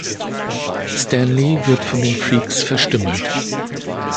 Stanley wird von den Freaks verstümmelt.